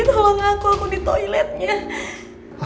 tolong aku aku di toiletnya